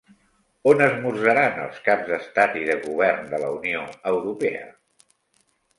On esmorzaran els caps d'estat i de govern de la Unió Europea?